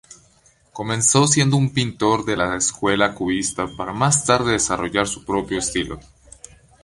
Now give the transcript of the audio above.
Comenzó siendo pintor de la escuela Cubista, para más tarde desarrollar su propio estilo.